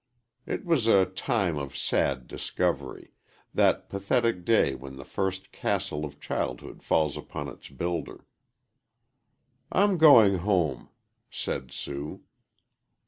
It was a time of sad discovery that pathetic day when the first castle of childhood falls upon its builder. "I'm going home," said Sue.